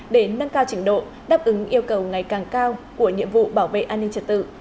để nâng cao trình độ đáp ứng yêu cầu ngày càng cao của nhiệm vụ bảo vệ an ninh trật tự